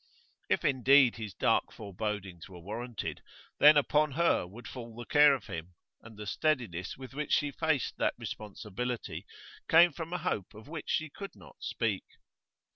If, indeed, his dark forebodings were warranted, then upon her would fall the care of him, and the steadiness with which she faced that responsibility came from a hope of which she could not speak.